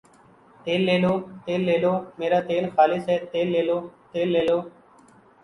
تیل لے لو ، تیل لے لو میرا تیل خالص ھے تیل لے لو تیل لے لو